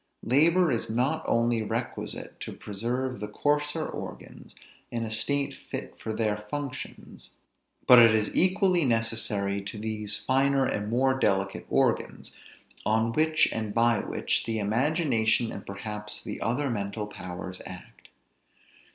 Labor is not only requisite to preserve the coarser organs, in a state fit for their functions; but it is equally necessary to these finer and more delicate organs, on which, and by which, the imagination and perhaps the other mental powers act.